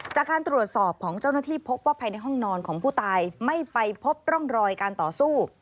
จากการตรวจสอบของเจ้าหน้าที่พบว่าภายในห้องนอนของผู้ตายไม่ไปพบร่องรอยการต่อสู้